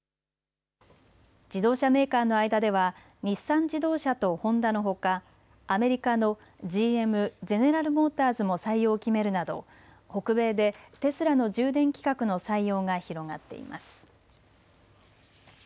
自動車メーカーの間では日産自動車とホンダのほかアメリカのＧＭ・ゼネラル・モーターズも採用を決めるなど北米でテスラの充電規格の採用が広がっています。